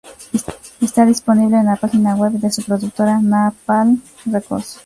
Está disponible en la página "web" de su productora, Napalm Records.